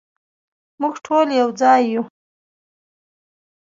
مونږ ټول یو ځای یو